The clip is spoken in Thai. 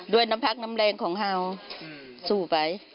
ด้วยน้ำพักน้ำแรงของเห่าสู้ไป